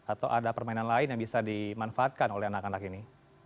atau ada permainan lain yang bisa dimanfaatkan oleh anak anak ini